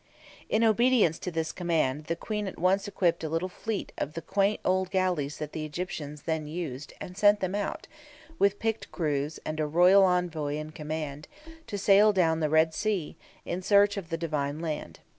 In obedience to this command, the Queen at once equipped a little fleet of the quaint old galleys that the Egyptians then used (Plate 1), and sent them out, with picked crews, and a royal envoy in command, to sail down the Red Sea, in search of the Divine Land.